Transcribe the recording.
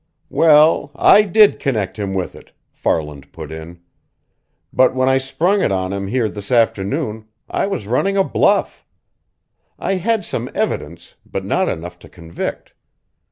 "Well, I did connect him with it," Farland put in. "But when I sprung it on him here this afternoon, I was running a bluff. I had some evidence, but not enough to convict.